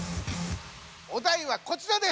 お題はこちらです！